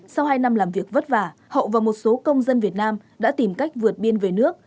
sau hai năm làm việc vất vả hậu và một số công dân việt nam đã tìm cách vượt biên về nước